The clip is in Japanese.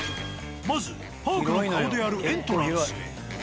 まずパークの顔であるエントランスへ。